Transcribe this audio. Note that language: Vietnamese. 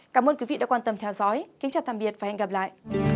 cảm ơn quý vị đã quan tâm theo dõi kính chào tạm biệt và hẹn gặp lại